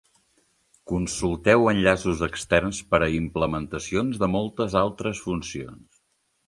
Consulteu enllaços externs per a implementacions de moltes altres funcions.